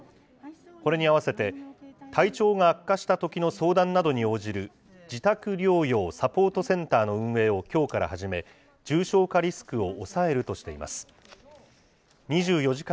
これに合わせて、体調が悪化したときの相談などに応じる、自宅療養サポートセンターの運営をきょうから始め、重症化リスク